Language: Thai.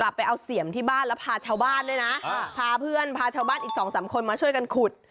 กลับไปเอาเสี่ยมที่บ้านแล้วพาชาวบ้านด้วยนะคะพาพื่นทั้งพรานอยู่นี่อีกสองคนมาช่วยกันขุด